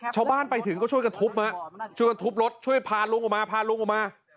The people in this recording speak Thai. ชาวบ้านไปถึงก็ช่วยกันทุบฮะช่วยกันทุบรถช่วยพาลุงออกมาพาลุงออกมา